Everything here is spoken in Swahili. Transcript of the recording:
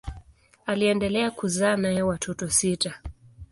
Aliendelea kuzaa naye watoto sita.